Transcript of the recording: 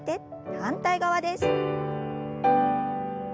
反対側です。